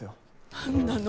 何なの？